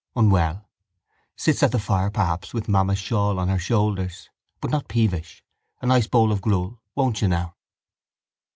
Unwell? Sits at the fire perhaps with mamma's shawl on her shoulders. But not peevish. A nice bowl of gruel? Won't you now?